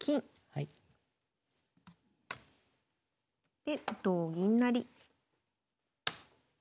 で同銀成。